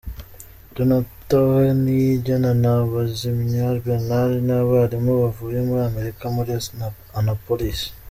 Donata Niyigena na Bazimya Bernard ni abarimu bavuye muri Amerika muri Anapolis.